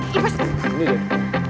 cuma segini doang